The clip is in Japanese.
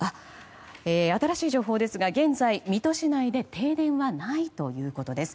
新しい情報ですが現在、水戸市内で停電はないということです。